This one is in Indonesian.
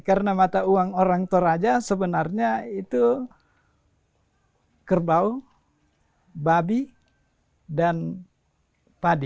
karena mata uang orang toraja sebenarnya itu kerbau babi dan padi